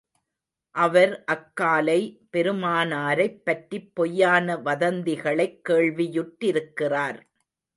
அவர் அக்காலை பெருமானாரைப் பற்றிப் பொய்யான வதந்திகளைக் கேள்வியுற்றிருக்கிறார்.